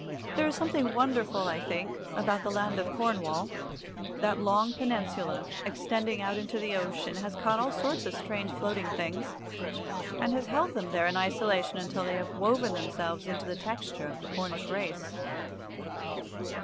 There is something wonderful, I think, about the land of Cornwall. That long peninsula extending out into the ocean has caught all sorts of strange floating things, and has held them there in isolation until they have woven themselves into the texture of the Cornish race.